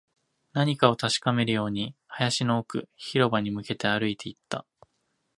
何かを確かめるように、林の奥、広場に向けて歩いていった